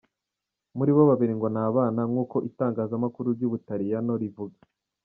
Muribo babiri ngo ni abana, nkuko itangazamakuru ry'Ubutaliyano rivuga.